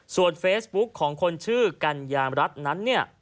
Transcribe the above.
ส่วนเฟซบุ๊คของคนชื่อกัญญามรัฐนั้นเนี่ย